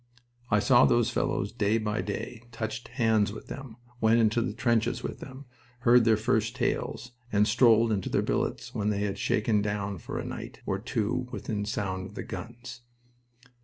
I saw those fellows day by day, touched hands with them, went into the trenches with them, heard their first tales, and strolled into their billets when they had shaken down for a night or two within sound of the guns.